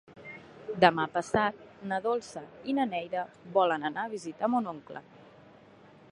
Demà passat na Dolça i na Neida volen anar a visitar mon oncle.